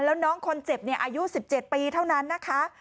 แล้วน้องคนเจ็บอายุ๑๗ปีเท่านั้นนะคะ